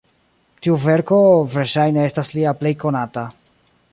Tiu verko verŝajne estas lia plej konata.